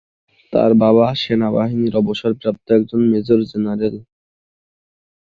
তার বাবা সেনাবাহিনীর অবসরপ্রাপ্ত একজন মেজর জেনারেল।